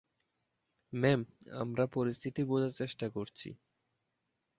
Ma'am, আমরা পরিস্থিতি বোঝার চেষ্টা করছি।